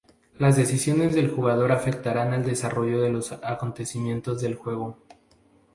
Las decisiones del jugador afectarán al desarrollo de los acontecimientos del juego.